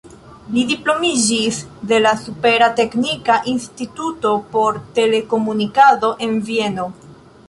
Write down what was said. Li diplomiĝis de la Supera Teknika Instituto por Telekomunikado en Vieno.